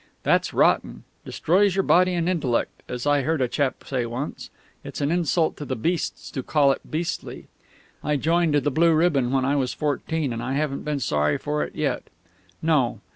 That's rotten; destroys your body and intellect; as I heard a chap say once, it's an insult to the beasts to call it beastly. I joined the Blue Ribbon when I was fourteen and I haven't been sorry for it yet. No.